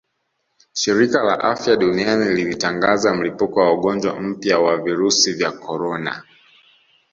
Shirika la Afya Duniani lilitangaza mlipuko wa ugonjwa mpya wa virusi vya korona